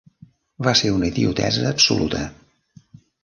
Va ser una idiotesa absoluta.